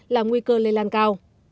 làm nguy cơ lây lan cao